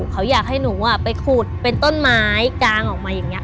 เขาอยากให้หนูไปขุดเป็นต้นไม้กางออกมาอย่างนี้